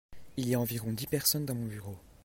Il y a environ dix personnes dans mon bureau.